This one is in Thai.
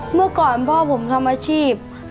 เมื่อก่อนพ่อผมทำอาชีพนะครับ